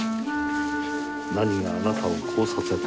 「何があなたをこうさせた」